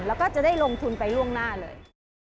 แล้วก็จะได้ลงทุนไปล่วงหน้าเลย